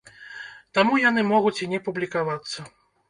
Таму яны могуць і не публікавацца.